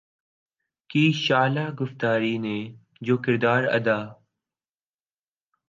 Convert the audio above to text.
کی شعلہ گفتاری نے جو کردار ادا